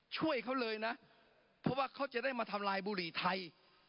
ช่วยเขาเลยนะเพราะว่าเขาจะได้มาทำลายบุหรี่ไทย